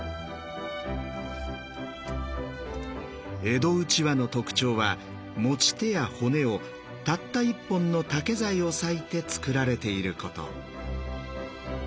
江戸うちわの特徴は持ち手や骨をたった１本の竹材を裂いて作られていること。